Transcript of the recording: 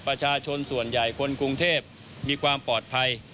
ประชาชนส่วนใหญ่คนกรุงเทพมีความปลอดภัย